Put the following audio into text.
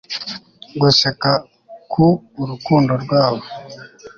guseka ku urukundo rwabo